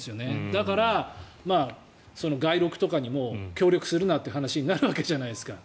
だから、街録とかにも協力するなって話になるわけじゃないですか。